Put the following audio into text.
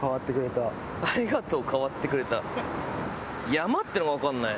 山ってのが分かんない。